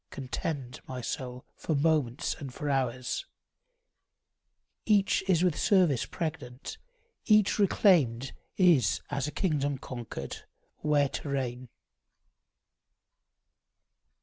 Contend, my soul, for moments and for hours; Each is with service pregnant; each reclaimed Is as a kingdom conquered, where to reign.